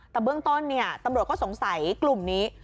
แต่เบื้องต้นตำรวจก็สงสัยกลุ่มนี้